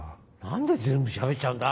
何で全部しゃべっちゃうんだ